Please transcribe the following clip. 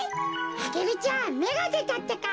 アゲルちゃんめがでたってか。